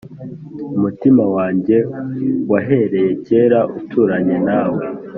Umutima wanjye wahereye kera Uturanye nawe